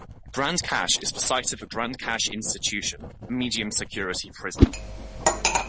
Grande Cache is the site of the Grande Cache Institution, a medium-security prison.